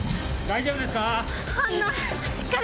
大丈夫ですか？